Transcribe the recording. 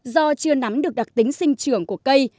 do chưa nắm được đặc tính sinh trường của cây